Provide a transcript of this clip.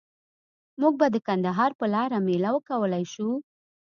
موږ به د کندهار په لاره میله وکولای شو؟